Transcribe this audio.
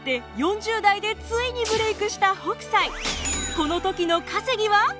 この時の稼ぎは！？